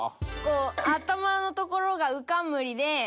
頭のところがうかんむりで。